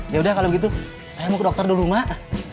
yaudah kalau begitu saya mau ke dokter dulu mak